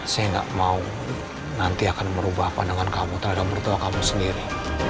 saya tidak mau nanti akan merubah pandangan kamu terhadap mertua kamu sendiri